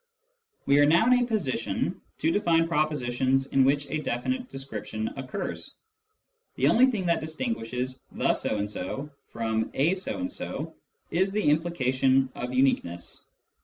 We are now in a position to define propositions in which a definite description occurs. The only thing that distinguishes ." the so and so " from " a so and so " is the implication of uniqueness.